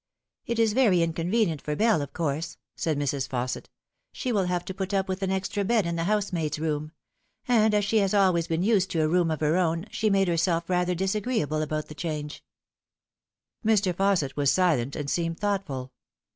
"It is very inconvenient for Bell, of course," said Mrs. Fausset. " She will have to put up with an extra bed in the housemaid's room ; and as she has always been used to a room of her own, she made herself rather disagreeable about the change." Mr. Fausset was silent, and seemed thoughtful.